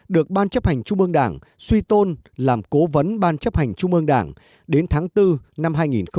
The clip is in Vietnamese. được ban chấp hành trung ương đảng suy tôn làm cố vấn ban chấp hành trung ương đảng đến tháng bốn năm hai nghìn một mươi